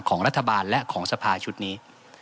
ของรัฐบาลและของสภาชุดนี้